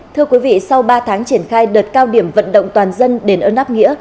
thưa quý vị sau ba tháng triển khai đợt cao điểm vận động toàn dân đền ơn áp nghĩa